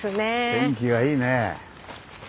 天気がいいね。